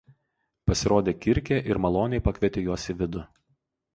Pasirodė Kirkė ir maloniai pakvietė juos į vidų.